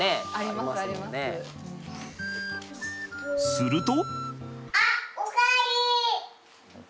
すると。